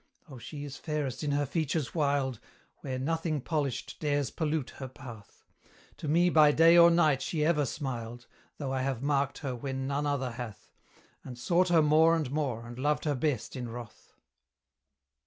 Oh! she is fairest in her features wild, Where nothing polished dares pollute her path: To me by day or night she ever smiled, Though I have marked her when none other hath, And sought her more and more, and loved her best in wrath.